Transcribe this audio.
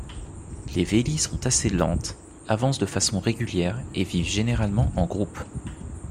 Les vélies sont assez lentes, avancent de façon régulière et vivent généralement en groupe.